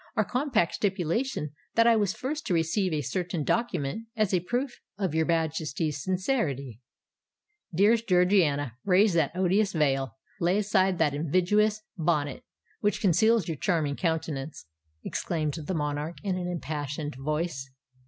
"Our compact stipulated that I was first to receive a certain document, as a proof of your Majesty's sincerity——" "Dearest Georgiana, raise that odious veil—lay aside that invidious bonnet, which conceals your charming countenance!" exclaimed the monarch, in an impassioned voice.